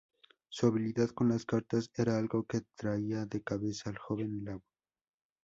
Su habilidad con las cartas era algo que traía de cabeza al joven Law.